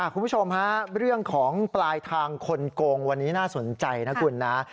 คุณผู้ชมฮะเรื่องของปลายทางคนโกงวันนี้น่าสนใจนะคุณนะ